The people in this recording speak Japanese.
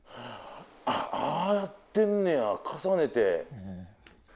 ああやってんねや重ねて。